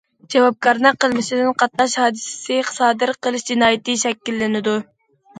جاۋابكارنىڭ قىلمىشىدىن قاتناش ھادىسىسى سادىر قىلىش جىنايىتى شەكىللىنىدۇ.